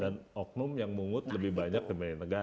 dan oknum yang mengut lebih banyak dibanding negara